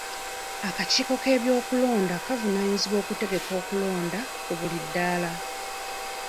Akakiiko k'ebyokulonda kavunaanyizibwa okutegeka okulonda ku buli ddaala.